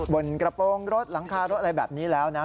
บนกระโปรงรถหลังคารถอะไรแบบนี้แล้วนะ